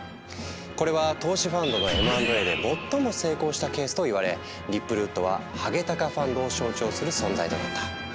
これは投資ファンドのＭ＆Ａで最も成功したケースといわれリップルウッドはハゲタカファンドを象徴する存在となった。